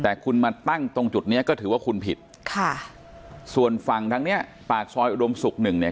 แต่คุณมาตั้งตรงจุดเนี้ยก็ถือว่าคุณผิดค่ะส่วนฝั่งทางเนี้ยปากซอยอุดมศุกร์หนึ่งเนี่ย